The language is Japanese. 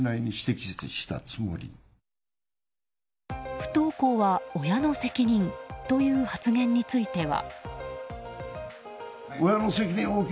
不登校は親の責任という発言については。